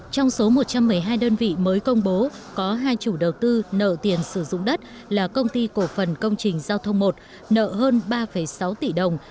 trong số một trăm một mươi hai đơn vị mới công bố có hai chủ đầu tư nợ tiền sử dụng đất là công ty cổ phần công trình giao thông một nợ hơn ba sáu tỷ đồng